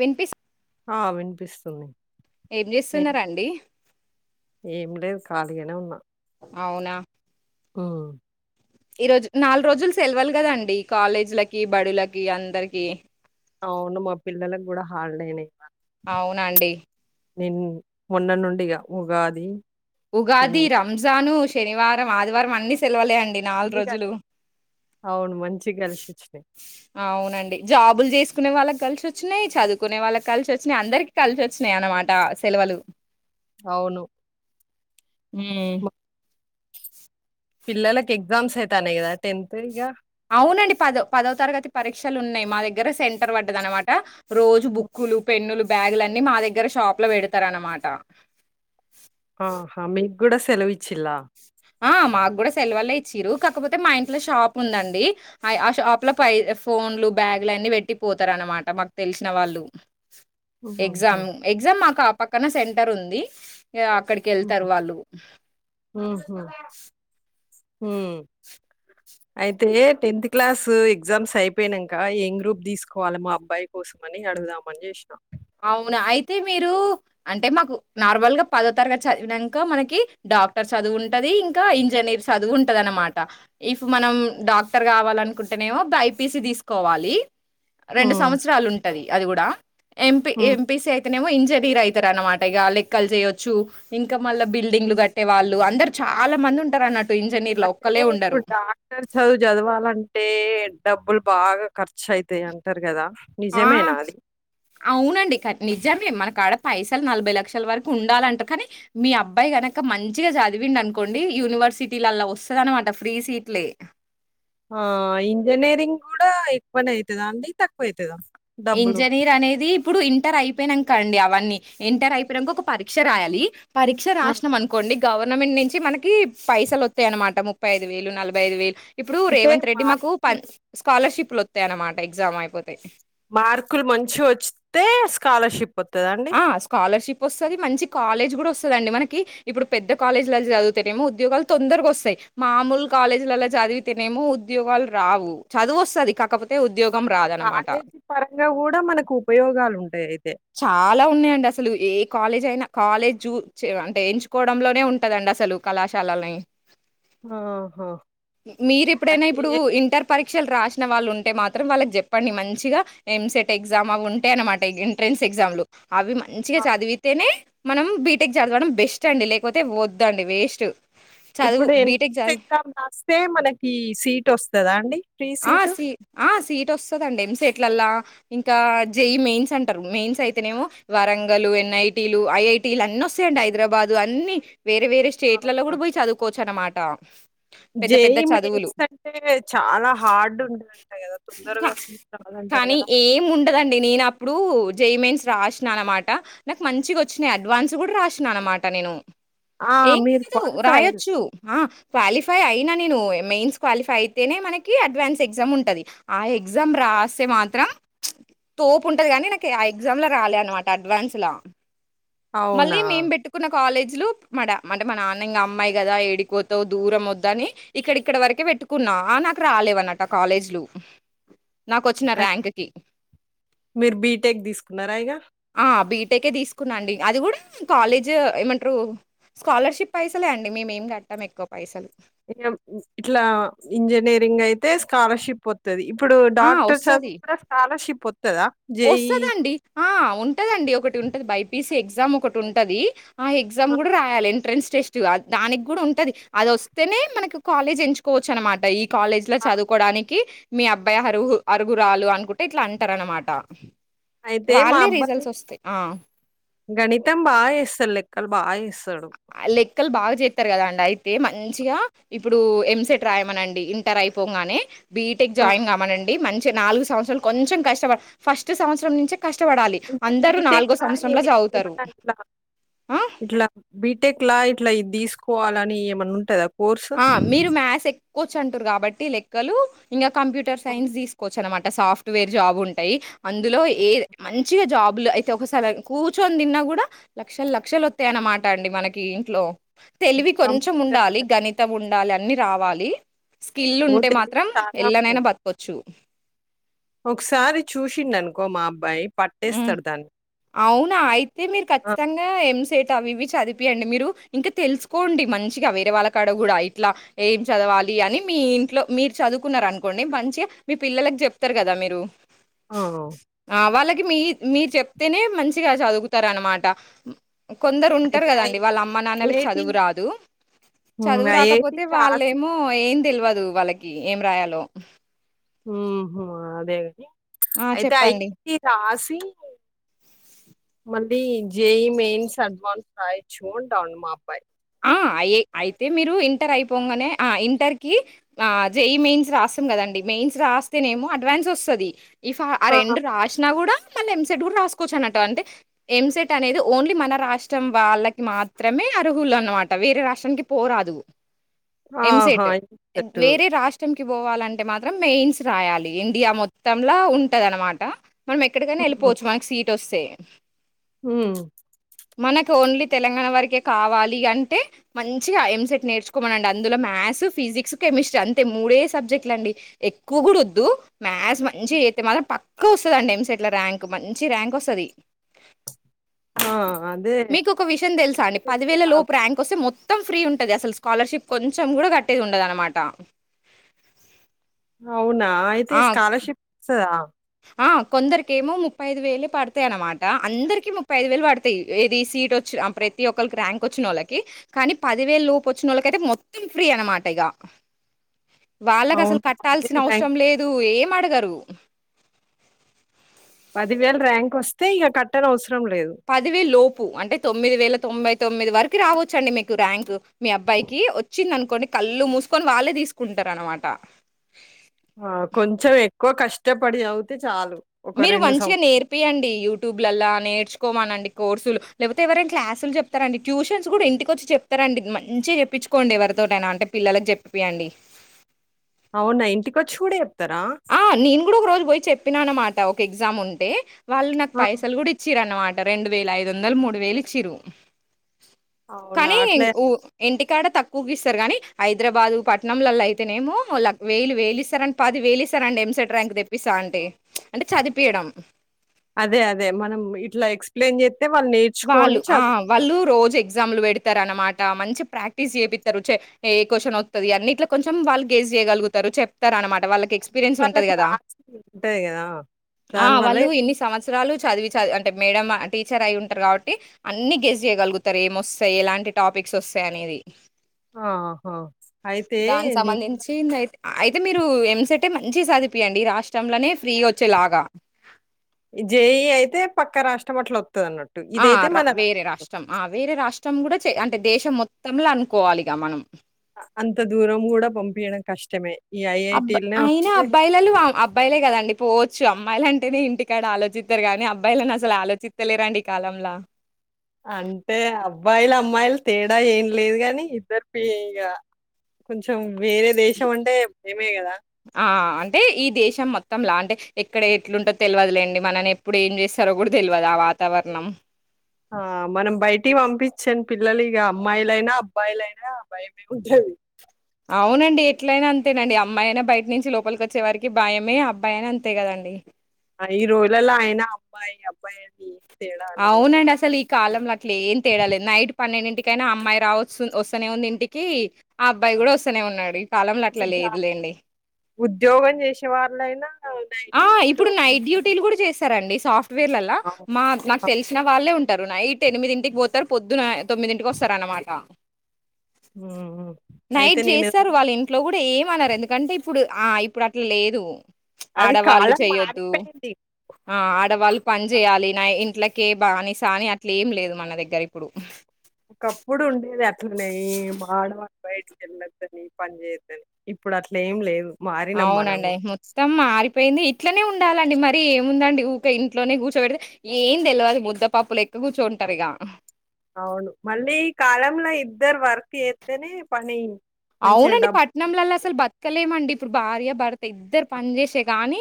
వినిపిస్ హ వినిపిస్తుంది ఏం ఎం చేస్తున్నారండి ఏం లేదు ఖాళీగనే ఉన్న అవునా ఉమ్ ఈ రోజు నాలుగు రోజులు సెలవలు గదండి కాలేజీలకి బడులకి అందరికి అవును మా పిల్లలకు గూడా హాలీడేనే ఆవునండి నిన్ మొన్న నుండిగా ఉగాది నిన్ ఉగాది రంజాను శనివారం ఆదివారం అన్ని సెలవలే అన్ డి నాలుగు మంచిగా రోజులు అవును. మంచిగా కలిసొచ్చినాయి. ఆవునండి జాబులు జెస్ సుకునే వాళ్ళక్ కలిసొచ్చినాయ్ చదువుకునే వాళ్ళకి కలిసొచ్చినాయ్ అందరికి కలిసోచ్చినాయ్ అనమాట సెలవలు అవును మ్మ్ మా పిల్లలకి ఎగ్జామ్స్ అయితానయ్ గదా టెన్త్ ఇగా అవునండి పదొ పదొ తరగతి పరీక్షలున్నయ్ మా దగ్గర సెంటర్ పడ్డదనమాట రోజు బుక్ కులు పెన్నులు బ్యాగుల అన్నీ మా దగ్గర షాప్ లో పెడతరనమాట ఆహా మీగూడ సెలవిచ్చిలా ఆ మాగూడ సెలవల్లే ఇచ్చిరు. కాకపోతే మా ఇంట్లో షాప్ ఉందండి. అయ్ ఆ షాప్ లో పై ఫ్ ఫోన్లు బ్యాగులు అన్నీ పెట్టి పోతారనమాట మాకు తెలిశిన వాళ్ళు హుహుహు. ఎగ్జామ్ ఎగ్జామ్ మాకు ఆ పక్కన సెంటరుంది ఈ అక్కడికి వెళ్తారు హుహు. వాళ్ళు హుహు. హ్మ్ అయితే టెన్త్ క్లాస్ ఎగ్జామ్స్ అయిపోయినాక ఏం గ్రూప్ తీసుకోవాలి మా అబ్బాయి కోర్స్ మని అడుగుదాం అని చేశినా అవునా అయితే మీరు అంటే మాకు నార్మల్గా పదో తరగతి చదివినంక మనకి డాక్టర్ చదువుంటది. ఇంకా ఇంజనీ చదువు ఉంటద్ అనమాట ఇఫ్ మనం డాక్టర్ కావాలనుకుంటేనేమో బైపిసి తీసుకోవాలి. రెండు హ్మ్. సంవత్సరాలు ఉంటది అది కూడా ఎంపీ హ్మ్. ఎం పి సి అయితేనేమో ఇన్ జానీర్ అయితారు. అనమాట ఇగ లెక్కలు చేయొచ్చు. ఇంకా మళ్ళ బిల్డింగ్లు కట్టే వాళ్ళు అందరు చాలా మ ఉంటారు అనట్ అంటే ఇప్పుడు డాక్టర్ చదువు చదవాలం టే డబ్బులు బాగా ఖర్చు అయితాయి అంటరు కదా ఆ నిజమేనా అది? అవునండి నిజమే మనకడా పైసలు నలభై లక్షల వరకు ఉండాలంట కానీ, మీ అబ్బాయి కనకా మంచిగా చదివిండి అనుకోండి యూనివ వర్సిటీలలా వస్తది అనమాట ఫ్రీ సీట్లే ఆ ఇంజనీరింగ్ కూడా ఎక్కువనే అయితదా అండి. తక్కువ అయితదా ఇంజనీర్ అనేది ఇప్పుడు ఇంటర్ అయిపోయినంకండి. అవన్నీ ఇంటర్ అయిపోయినంక ఒక పరీక్ష రాయాలి. పరీక్ష ఆ! రాసినం అనుకోండి గవర్ ర్నమెంట్ నుంచి మనకి పైసలు వస్తాయి అనమాట. ముప్పై ఐదు వేలు నలభై ఐదు వేలు ఇప్పుడు అంటే రేవంత్ రెడ్డి మాకు ప మార్కులు స్కాలర్షిప్లు ఒత్తాయి అన్నమాట. ఎగ్జామ్ అయిపోతేయ్ మార్కులు మంచి చ్ వత్తే స్కాలర్షిప్ వత్తాదండి వస్తది మంచి కాలేజ్ కూడా వస్తదండి. మనకి ఇప్పుడు పెద్ద కాలేజీలల చదువుతనేమో ఉద్యోగాలు తొందరగా వస్తయ్. మామూలు కాలేజీలలో చదివితేనేమో ఉద్యోగాలు రావు చదువు వస్తది కాకపో ఆహా కాలేజీ పరంగా కూడా మనకు ఉపయోగాలు ఉంటాయి. చాలా ఉన్నాయిండి అసలు ఏ కాలేజ్ అయినా కాలేజు చు చ అంటే ఎంచుకోవడంలోనే ఉంటదండి. అసలు కళాశాలలనే ఆహా! మీరు ఎప్పుడైనా అయితే ఇప్పుడు ఇంటర్ పరి క్షలు రాసిన వాళ్ళు ఉంటే మాత్రం వాళ్ళకి జెప్పండి. మంచిగా ఎంసెట్ ఎగ్జామ్ అవి ఉంటే అనమాట ఇన్ ట్రెన్స్ ఎగ్జామ్లు అవి మంచిగా ఆ! చదివితేనే మనం బీటెక్ చదవడం బెస్ట్ అండి. లేకపోతే వద్దండి వేస్ట్ చదువు ఇప్పుడు బీటెక్ ఎంట్ర చదివి ఎగ్జామ్ రాస్తే మనకి సీట్ వస్తదా అండి. ఫ్రీ ఆ సీటు? సి ఆ సీట్ వస్తదండి ఎంసేట్ ఇట్లాలా ఇంకా జేఈ మెయిన్స్ అంటారు. మెయిన్స్ అయితేనేమో వరంగలు ఎన్ ఐ టీలు ఐఐ టిలని అన్ని వస్తాయండి. హైదరాబాద్ అన్నీ వేరే వేరే స్టేట్లలో కూడా పోయి చదువుకోవచ్చు అనమాట. జె ఈ మెయిన్స్ అంటే చానా హార్డ్ ఉంట్ కానీ ఏం ఉండదండి నేన అప్పుడు జెఈ మెయిన్స్ రాష్నా అనమాట నాకు మంచిగ వచ్చినాయి. అడ్వాన్స్ కూడా రాసినా అనమాట నేను. ఆ! ఏం మీరు లేదు క్వాలిఫై అయ్యిరు. రాయొచ్చు ఆ క్వాలిఫై అయి నేను మెయిన్స్ క్వాలిఫై అయితేనే మనకి అడ్వాన్స్ ఎగ్జామ్ ఉంటది. ఆ ఎగ్జామ్ రాస్తే మాత్రం తోపు ఉంటది గానీ నాకు ఆ ఎగ్జామ్ లో రాలే అనమాట అడ్వాన్స్ లా మళ్ళీ అవునా! మేం బెట్టుకున్న కాలేజీ లు అంటే మా నాన్న అమ్మాయి కదా ఏడీకిపోతావ్. దూరం వద్దు అని ఇక్కడ ఇక్కడ వరకే వెట్టుకున్నా. ఆ నాకు రాలేవు నాక్ ఆ కాలేజీలు నాకొచ్చిన అయ్ ర్యాంకుకి మీరు బీటెక్ తీసుకున్నారా ఇగా. ఆ బీటెకే తీసుకునండి. అది కూడా కాలేజ్ ఏమంటారు స్కాలర్షిప్ పైసలే అండి మేమేం కట్టాము ఎక్కువ పైసలు. ఇట్లా ఇంజనీరింగ్ అయితే స్కాలర్షిప్ వత్ ఒతది ఇప్పుడు ఆ! డాక్టర్ చదువు కూడా స్కాలర్షిప్ ఒస్తదండి ఆ ఉంటదండి. ఒకటి ఉంటది. బైపీసి ఎగ్జామ్ ఒకటి ఉంటది. ఆహ్ ఎగ్జామ్ ఆ! కూడా రాయాలి ఎంట్రెన్స్. టెస్ట్ కాదు దానికి కూడా ఉంటది అది ఒస్తేనే మనకు కాలేజ్ ఎంచుకోవచ్చు అన్మాట ఈ. కాలేజ్ లో ఆ! చదువుకోడానికి మీ అబ్బాయి హరుగు అర్హురాలు అన్కుంటే ఇట్లా అంటారు అన్మాట. అయితే మా అబ్బాయి గణితం బాగా చేస్తాడు లెక్కలు బాగా చేస్తా. లెక్కలు బాగా చద్. చెతారు కదాండి అయితే మంచిగా ఇప్పుడు ఎంసెట్ రాయ్మానండి ఇంటర్ అయిపోంగానే. బీటెక్ ఆ! జాయిన్ కామనండి మంచిగా నాలుగు సంవత్సరాలు కొంచెం కష్టపడ్ ఫస్ట్ సంవత్సరం నుంచే. కష్టపడాలి అంటే అందరు నాలుగో బీటెక్‌లా ఏ సంవత్సరంలో చదువుతారు ఆహ్. బీటెక్ లా ఇట్లా ఇది తీస్కోవాలని ఏమన్నా ఉంటదా. ఆహ్ కోర్సు? మీరు మ్యాథ్స్ ఎక్కువ్వాచ్ అంటున్నారు కాబట్టి లెక్కలు ఇంకా కంప్యూటర్ సైన్స్ తీస్కోచ్చు అన్మాట. సాఫ్ట్వేర్ జాబ్ ఉంటాయి అందులో ఏ మంచిగా జాబ్లో అయితే ఒకసారి కూర్చొని తిన్నా. కూడా లక్షలు లక్షలు ఓతైయన్నమాట అండి మనకి ఇంట్లో. తెలివి కొంచెం కంప్యూటర్‌లో ఉండాలి గణితం ఉండాలి అన్ని రావాలి. స్కిల్ ఉంటే తెలివి మాత్రం చాలా ఎలనైనా బత్కొచ్చు. ఒక్సారి చూసిండన్కో మా అబ్బాయి హ్మ్. పట్టేస్తాడుదాన్ని. అవునా అయితే మీరు ఖచ్చితంగా ఎంసెట్. అవి ఇవి చదుపియండి మీరు ఇంకా తెల్సుకోండి మంచిగా వేరే వాళ్ళ కాడ కూడా ఇట్లా ఏం చదవాలి. అని మీ ఇంట్లో మీరు చదువ్కున్నార్ అన్కోండి మంచిగా మీ పిల్లలకి చెప్తార్ కదా మీరు. ఆ! ఆహ్ వాళ్ళకి మీ మీరు చెప్. తేనే మంచిగా చదువ్తార్ అన్మాట. కొందరు ఉంటారు అయితే ఐ కదండి వాళ్ళ అమ్మ నాన్నలకి ఐఐటీ చదువు రాదు. హ్మ్. చదువు ఐఐటీ రాకపోతే రాసి వాళ్ళేమో ఏం తెల్వదు వాళ్ళకి ఏం రాయాలో. ఉహు అదే గాని. ఆ! అయితే చెప్పండి. ఐటీ రాసి మం. ఈ జేయి మెయిన్స్ అడ్వాన్స్ రాయొచ్చు అంటా ఉండు మా అబ్బాయి. ఆహ్ అయి అయితే మీరు ఇంటర్ అయిపోగాన్నే ఆహ్ ఇంటర్ కి ఆ జేయి మెయిన్స్ రాస్తాం కదండి. మెయిన్స్ రాస్తేనేమో అడ్వాన్స్ ఒస్తది ఇ ఆ రెండు రాసినా కూడా. మళ్ళీ ఎంసెట్ కూడా రాస్కోచ్చు అన్నట్ట అంటే ఎంసెట్ అనేది ఓన్లీ మన రాష్ట్రం వాళ్ళకి మాత్రమే. అర్హులు అన్నమాట వేరే రాష్ట్రానికి పోరాదు. ఆహా! ఎంసెట్ ఇంటర్‌సెట్. వేరే రాష్ట్రంకి. కి పోవాలంటే మాత్రం మెయిన్స్ రాయాలి ఇండియా మొత్తంలా ఉంటదన్మాట. మనం ఎక్కడికైనా ఏళ్ళిపోవోచ్చు మన్కి సీట్ ఒస్తే. ఉమ్. మనకి ఓన్లీ తెలంగాణ వరకే కావాలి అంటే. అంటే మంచిగా ఎంసెట్ నేర్చుకోమనండి అందులో మ్యాస్ ఫిజిక్స్ కెమిస్ట్రీ అంతే మూడే సబ్జెక్ట్లు అండి. ఎక్కువ కూడా ఒద్దు మ్యాథ్స్ హ్మ్. మంచిగా చేస్తే మాత్రం పక్. ఎక్కువ ఒస్తదండి ఎంసెట్ల ర్యాంక్ మంచి ర్యాంక్ ఒస్తది. ఆ! అదే. మీకు ఒక విషయం తెల్సా అండి అయితే పదివేల లోప్. రాదు. మీకోస్తే మొత్తం ఫ్రీ ఉంటాది అసల్ స్కాలర్షిప్ కొంచెం కూడా కట్టేది ఉండదు అన్మాట. అవ్నా అయితే స్కాలర్షిప్ ఒస్తదా. ఆ కొందరికేమో ముప్పై ఐదు వేలే పడ్తాయి అన్మాట అందరికి ముప్పై ఐదు వేలు పడ్తాయి ఏది సీట్ ఓచ్ చ్ అం ప్రతి ఒక్కరికి ర్యాంక్ ఒచ్చిన్ నోళ్ళకి కానీ పదివేలు లోపు ఒచ్చినోళ్ళకి అయితే మొత్తం ఫ్రీ అన్మాట ఇగా వాళ్ళకి అసల్ అవును. పదివేల కట్టాల్సిన ర్యాంక్ అవ్సరం లేదు ఏం అడగరు పదివేల ర్యాంక్ ఒస్తే ఇగ కట్టన్ అవస్ పదివే లోపు అంటే తొమ్మిది వేల తొంభై తొమ్మిది వర్ రావచ్చండి మీకు ర్యాంక్ మీ అబ్బాయికి వచ్చింది అనుకోండి కళ్ళు మూసుకొని వాళ్ళే తీసుకుంటారు అనమాట. ఆహ్ కొంచెం ఎక్కువ కష్టపడి చదువుతే చాలు. ఒక మీరు రెండు సం మంచిగా నేర్పియండి యూట్యూబ్లల్లా నేర్చుకోమనండి. కోర్సులు లేకపోతే ఎవరైనా క్లాసులు చెప్తారండి ట్యూషన్స్ కూడా ఇంటికి వచ్చి చెప్తారండి మంచిగా చెప్పించుకోండి ఎవరై. ఎవర్తోటైన అంటే పిల్లలకు చెప్పియండి. అవునా ఇంటికొచ్చి కూడా చేప్. ఆ నేను కూడా ఒక రోజు పోయి చెప్పినా అనమాట ఒక ఎగ్జామ్ ఉంటే వాళ్ళు నాకు ఆ! పైసలు కూడ్ ఇచ్చిరన్నమాట రెండు వేల ఐదు వందలు మూడు వేలు ఇచ్చిరు అవునా కానీ అట్లే ఊ ఇంటి కడ తక్కువకి ఇస్తారు గాని హైదరాబాద్ పట్నం లల్ల అయితేనేమో వేలు వేలిస్తారని పది వేలిస్ స్తారండీ ఎంసెట్ ర్యాంక్ తెప్పిస్తా అంటే అంటే చదిపియడం అదే అదే మనం ఇట్లా ఎక్స్ప్లెయిన్ చే వాళ్ళు ఆ వాళ్ళు రోజె ఎగ్జామ్లు పెడతారు అనమాట మంచి ప్రాక్టీస్ చెపిత్తరు చే ఎ క్యూస్షన్ వతది అన్నిట్ల కొంచెం వాల్ గెస్ చేయగలుగుతారు చెప్తార అనమాట వాళ్ళకి అంటే ఎక్స్పీరియన్స్ ఉంటది వాళ్ళకి కదా రాసి ఉంటది కదా! ఆ దానివల్లే వాళ్ళు ఇన్ని సంవత్సరాలు చదివి చద్ అంటే మేడమ్ ఆ టీచర్ అయి ఉం టారు కాబట్టి అన్ని గెస్ చేయగలుగుతారు ఏమొస్తాయి ఎలాంటి టాపిక్స్ వస్తాయి అనేది ఆహా అయితే దానికి నే సంబంధించింది అయితే అయితే మీరు ఎంసెటే మంచి సదిపియండి రాష్ట్రంలనే ఫ్రీగా వచ్చేలాగా జేఈ అయితే పక్క రాష్ట్రం అట్ల ఆ రా వేరే రాష్ట్రం ఆ వేరే రాష్ట్ ష్టం కూడా అంటే దేశం మొత్తంలో అనుకోవాలిగా మనం అంత దూరం కూడా పంపియడం కష్టమే ఈ అబ్ ఐఐటీలనే అయినా వస్తే అబ్బాయిలలు అబ్బాయిలే కదండి పోవచ్చు అమ్మాయిలు అంటేనే ఇంటికాడ ఆలోచి స్తారు గానీ అబ్బాయిలను అసలు ఆలోచితలేరండి ఈ కాలంల అంటే అబ్బాయిలు అమ్మాయిలు తేడా ఏం లేదు కానీ ఇద్దరు పే ఇగ కొంచెం వేరే దేశం అంటే భయమే గదా! ఆ అంటే ఈ దేశం మ త్తంల అంటే ఎక్కడ ఎట్లుంటో తెలవదులేండి మనని ఎప్పుడు ఏం చేస్తారో కూడా తెలివదు ఆ వాతావరణం ఆ మనం బయటి పంపించాం పిల్లలు ఇగ అమ్మాయిలైనా అబ్బాయిలైనా భయమే ఉంటది అవునండి ఎట్లయినా అంతేనండి అమ్మాయినా బయట నుంచి లోపలికి వచ్చే వరికి భయమే అబ్బాయి అయినా అంతే కదండి ఆ! ఈ రోజులలో అయనా అబ్బాయి అబ్బాయి అని తేడా లేదు ఇగ. అవునండి అసలు ఈ కాలంలో అట్లే ఏం తేడాలెదు నైట్ పన్నెండింటి కైనా అమ్మాయి రావచ్చు వస్తనే ఉంది ఇంటికి అబ్బాయి కూడా వస్తనే ఉన్నాడు ఈ కాలంలో ఇప్పుడు అట్లా జా లేదులేండి ఉద్యోగం చేసే వాళ్ళైనా నైట్ ఆ షిఫ్ట్ ఇప్పుడు నైట్ డ్యూటీలు కూడా చేస్తారండి సాఫ్ట్వేర్లల్లా అవును. మా నాకు తెలిసిన వాళ్ళే ఉం టరు నైట్ ఎనిమిదింటికి పోతారు పొద్దున తొమ్మిదింటికి వస్తారనమాట హ్మ్. హ్మ్. అయితే నైట్ నేను చేస్తారు వాళ్ళ ఇంట్లో కూడా ఏమనరు ఎందుకంటే ఇప్ ఇప్పుడు ఆ ఇప్పుడు అట్లా లేదు అది ఆడవాళ్ళు కాలం చెయొద్దు మారిపోయింది. ఆ ఆడవాళ్ళు పని చేయాలి నా ఇంట్ల కే బానిసా అని అట్లెం లేదు మన దగ్గర ఇప్పుడు ఒకప్పుడు ఉండేది అట్లనే మా ఆడవాళ్ళ బయటకి వెళ్ళొద్దని పని చేయొద్దని ఇప్ ఇప్పుడు అట్లెం లేదు మారినాం మనం అవునండి గూడా. మొత్తం మారిపోయింది ఇట్లనే ఉండాలండి మరీ ఏముందండి ఊకె ఇంట్లోనే కూర్చోబెడితే ఏం తెలవదు ముద్ద పప్పులెక్క కూర్చోంటారు ఇగ ఆ అవును మళ్ళీ ఈ కాలంలో ఇద్దరు వర్క్ చెత్తేనే పని మంచిగా అవునండి పట్నంలల్లా డబ్బులొస్తయి. అసలు బతకలేమండి ఇప్పుడు భార్య భర్త ఇద్దరు పని చేేసే గాని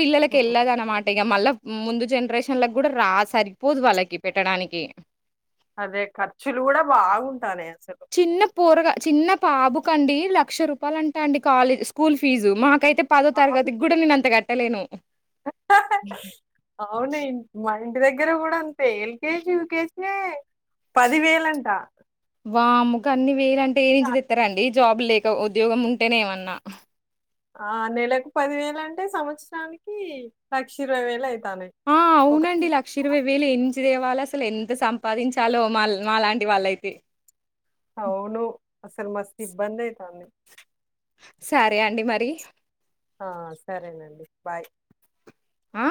పిల్లలకి హ్మ్. ఎల్లాదన్నమాట్ టిగ మళ్ళా ముందు జనరేషన్లకు కూడా రా సరిపోదు వాళ్ళకి పెట్టడానికి అదే ఖర్చులు కూడా బాగుంటానయి అసలు. చిన్న పొర్గా చిన్న బాబుకండి లక్ష రూపాలంటా అండి కాలేజ్ స్కూల్ ఫీజు మా మకైతే పదో తరగతికి కూడా నేను అంత కట్టలేను అవ్నే మ టి దగ్గర కూడా అంతే ఎల్కేజీ యూకేజే పదివేలంట వామ్మో గన్ని వేలంటే ఏ నుంచి తెత్తారండి జాబ్ లేక ఉద్యోగం ఉంటేనే ఏమన్నా ఆ నెలకు పదివేలంటే సంవత్సరానికి లక్ష ఇరవై వేలైత్ ఆ అవునండి లక్షిరవై వేలు ఎచ్ నుంచిదేవలి అసలు ఎంత సంపాదించాలో మా-మాలాంటి వాళ్ళైతే అవును అసలు మస్తిబ్బదైతాంది సరే అండి మరి ఆ సరేనండి బాయ్ ఆ